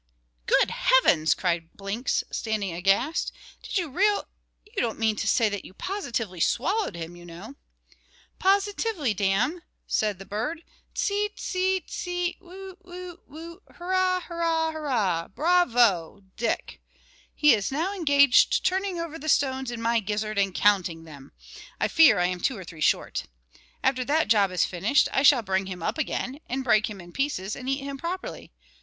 "Good heavens!" cried Blinks, standing aghast, "did you real you don't mean to say that you positively swallowed him, you know?" "Positively, damme," said the bird. "Tse, tse, tse, whew, whew, whew; hurra, hurra, hurra! Bravo, Dick! He is now engaged turning over the stones in my gizzard and counting them; I fear I am two or three short. After that job is finished, I shall bring him up again, break him in pieces, and eat him properly.